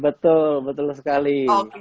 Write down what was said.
betul betul sekali